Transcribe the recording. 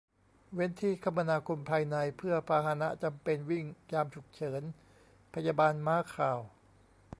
เว้นที่คมนาคมภายใน เพื่อพาหนะจำเป็นวิ่งยามฉุกเฉิน พยาบาล ม้าข่าว